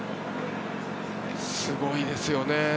すごいですよね。